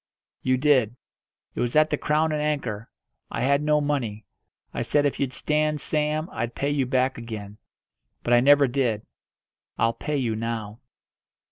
"You did. It was at the 'Crown and Anchor.' I had no money. I said if you'd stand Sam I'd pay you back again; but I never did. I'll pay you now."